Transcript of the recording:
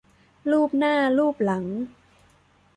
ลูบหน้าลูบหลัง